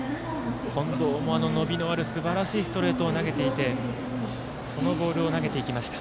近藤も伸びのあるすばらしいボールを投げていてそのボールを投げていきました。